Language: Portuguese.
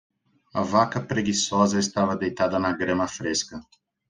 A vaca preguiçosa estava deitada na grama fresca.